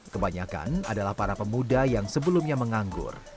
kebanyakan adalah para pemuda yang sebelumnya menganggur